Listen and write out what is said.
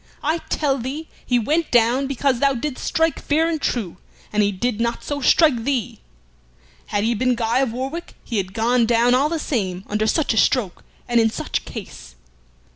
I tell thee he went down because thou didst strike fair and true, and he did not so strike thee. Had he been Guy of Warwick he had gone down all the same under such a stroke and in such case."